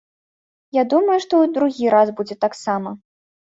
Я думаю, што і ў другі раз будзе так сама.